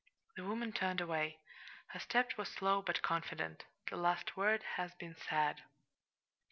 The woman turned away. Her step was slow, but confident the last word had been said.